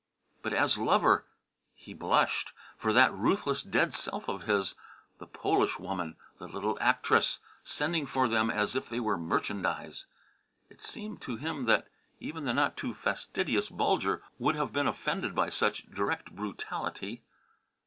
But as lover he blushed for that ruthless dead self of his; the Polish woman, the little actress, sending for them as if they were merchandise. It seemed to him that even the not too fastidious Bulger would have been offended by such direct brutality.